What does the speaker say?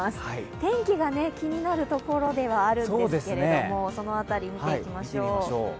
天気が気になるところですあるんですけれども、その辺り、見ていきましょう。